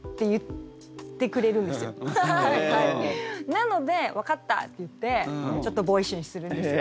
なので「分かった」って言ってちょっとボーイッシュにするんですよ。